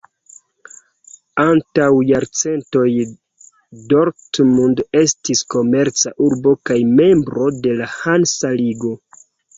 Antaŭ jarcentoj Dortmund estis komerca urbo kaj membro de la Hansa Ligo.